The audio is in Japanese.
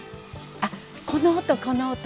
あこの音この音。